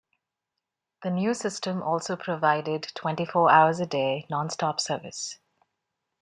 The new system also provided twenty-four hours a day, nonstop service.